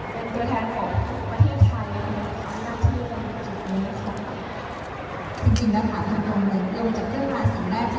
เป็นตัวแทนของประเทศไทยและนาธิกรมจุดนี้